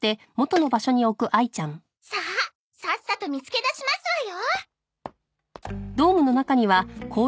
さあさっさと見つけ出しますわよ。